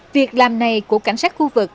việc làm này của cảnh sát khu vực